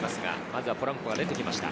まずポランコが出てきました。